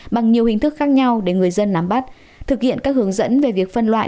bằng nhiều hình thức khác nhau để người dân nắm bắt thực hiện các hướng dẫn về việc phân loại